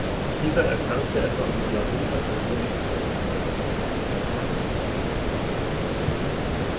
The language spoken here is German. Dieser erkrankte etwa um die Jahrhundertwende schwer.